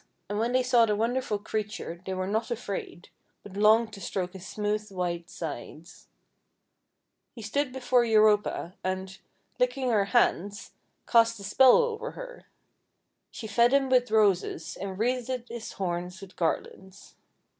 And when they saw the wonderful creature, 402 THE WONDER GARDEN they were not afraid, but longed to stroke his smooth white sides. He stood before Europa, and, licking her hands, cast a spell over her. She fed him with Roses, and wreathed his horns with garlands.